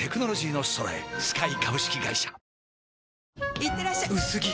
いってらっしゃ薄着！